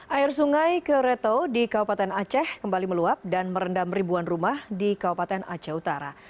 air sungai ke reto di kabupaten aceh kembali meluap dan merendam ribuan rumah di kabupaten aceh utara